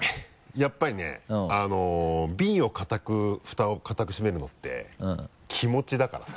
やっぱりねビンのフタを固く閉めるのって気持ちだからさ。